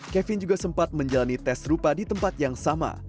kevin juga sempat menjalani tes rupa di tempat yang sama